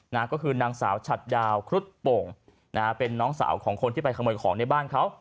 นะฮะก็คือนางสาวฉัดดาวครุฑโป่งนะฮะเป็นน้องสาวของคนที่ไปขโมยของในบ้านเขา